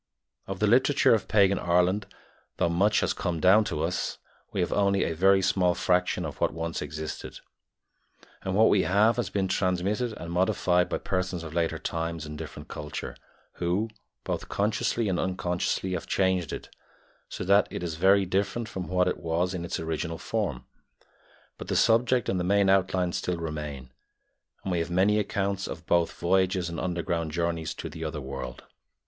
Of the literature of pagan Ireland, though much has come down to us, we have only a very small fraction of what once existed, and what we have has been transmitted and modified by persons of later times and different culture, who, both consciously and unconsciously, have changed it, so that it is very different from what it was in its original form; but the subject and the main outlines still remain, and we have many accounts of both voyages and underground journeys to the other world.